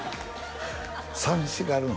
寂しがるの？